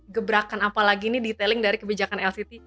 saya pengen tahu ada gebrakan apa lagi nih detailing dari kebijakan lct